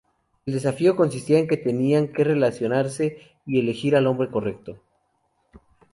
El desafío consistía en que tenían que relacionarse y elegir al hombre correcto.